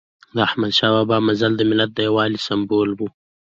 د احمد شاه بابا مزل د ملت د یووالي سمبول و.